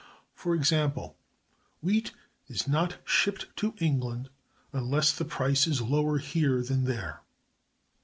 For example, wheat is not shipped to England unless the price is lower here than there.